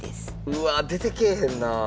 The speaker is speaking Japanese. うわあ出てけえへんなあ。